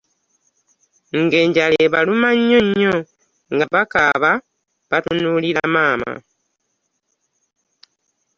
Ng’enjala ebaluma nnyo nnyo, nga bakaaba batunuulira maama.